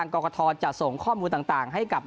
กรกฐจะส่งข้อมูลต่างให้กับ